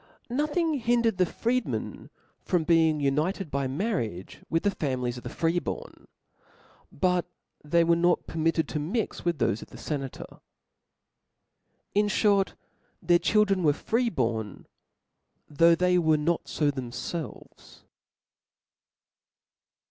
Nothing .hindered the () freedmcn from luftus's being ^united by marriage with the families of^5«chin the free born 5 but they were not permitted to ^^'*^' mix with thofe of the fenators. In fhort, their children were free born ; though they were not fo themfelves.